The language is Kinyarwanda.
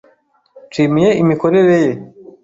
Nishimiye imikorere ye.